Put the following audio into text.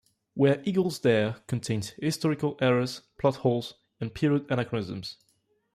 "Where Eagles Dare" contains historical errors, plot holes, and period anachronisms.